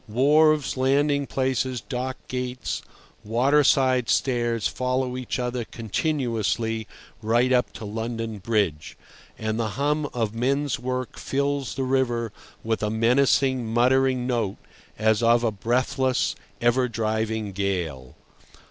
Wharves, landing places, dock gates, waterside stairs, follow each other continuously right up to London Bridge, and the hum of men's work fills the river with a menacing, muttering note as of a breathless, ever driving gale.